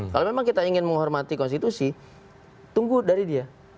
kalau memang kita ingin menghormati konstitusi tunggu dari dia